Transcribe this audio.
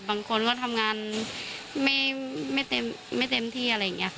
บางคนก็ทำงานไม่เต็มที่อะไรอย่างนี้ค่ะ